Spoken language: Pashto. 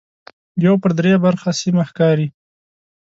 یو پر درې برخه سیمه ښکاري.